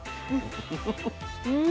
うん！